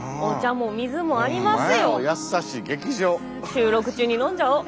収録中に飲んじゃおう。